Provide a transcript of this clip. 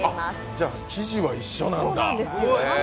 じゃあ生地は一緒なんだ。